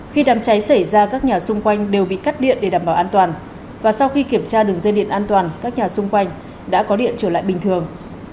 khi đám cháy xảy ra các nhà xung quanh đều bị cắt điện để đảm bảo an toàn và sau khi kiểm tra đường dây điện an toàn các nhà xung quanh đã có điện trở lại bình thường